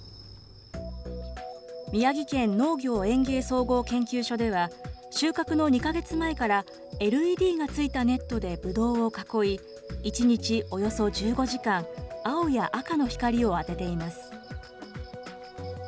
宮城県農業・園芸総合研究所では、収穫の２か月前からＬＥＤがついたネットでブドウを囲い、１日およそ１５時間、青や赤の光を当てています。